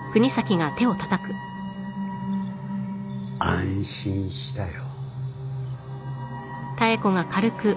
安心したよ。